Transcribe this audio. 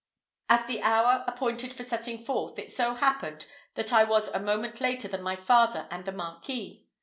At the hour appointed for setting forth, it so happened that I was a moment later than my father and the Marquis.